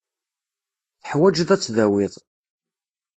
Teḥwajeḍ ad tdawiḍ.